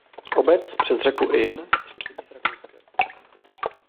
Obec přes řeku Inn sousedí s Rakouskem.